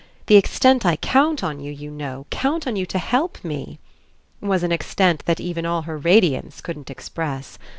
The extent I count on you, you know, count on you to help me " was an extent that even all her radiance couldn't express.